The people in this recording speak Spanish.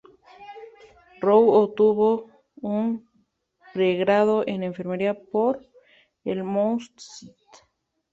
Roy obtuvo un pregrado en enfermería por el "Mount St.